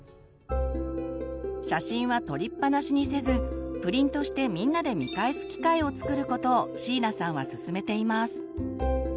写真は撮りっぱなしにせずプリントしてみんなで見返す機会をつくることを椎名さんはすすめています。